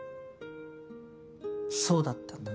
そうだったんだ。